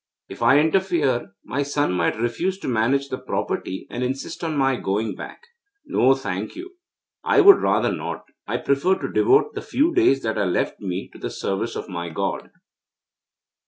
If I interfere, my son might refuse to manage the property, and insist on my going back. No, thank you I would rather not. I prefer to devote the few days that are left me to the service of my God.'